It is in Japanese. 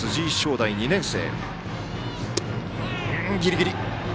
大、２年生。